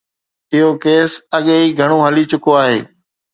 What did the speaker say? اهو ڪيس اڳي ئي گهڻو هلي چڪو آهي.